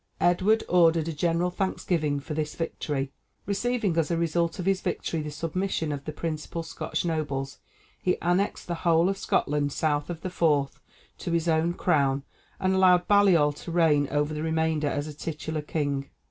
Edward ordered a general thanksgiving for this victory. Receiving as the result of his victory the submission of the principal Scotch nobles, he annexed the whole of Scotland south of the Forth to his own crown, and allowed Baliol to reign over the remainder as titular king.